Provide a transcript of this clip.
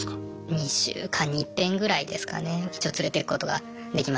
２週間に一遍ぐらいですかね一応連れていくことができました。